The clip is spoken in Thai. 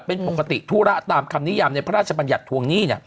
เป็นปกติธุระตามคำนิยามในพระราชบัญญัติทวงหนี้